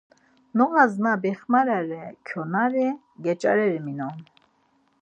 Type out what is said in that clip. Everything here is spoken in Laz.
Noğas na bixmarare ǩonari geç̌areri minon.